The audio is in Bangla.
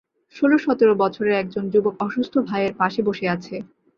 ষোল-সতের বছরের এক জন যুবক অসুস্থ ভাইয়ের পাশে বসে আছে।